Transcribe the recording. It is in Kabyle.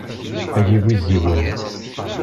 Ay iwiziwen.